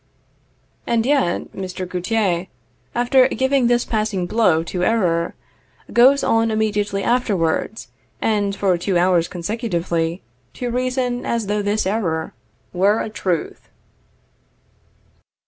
And yet Mr. Gauthier, after giving this passing blow to error, goes on immediately afterwards, and for two hours consecutively, to reason as though this error were a truth.